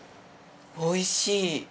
おいしい。